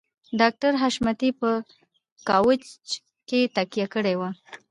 ډاکټر حشمتي په کاوچ کې تکيه کړې وه